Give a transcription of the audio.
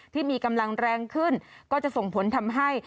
ที่มีกำลังแรงขึ้นก็จะส่งผลทำให้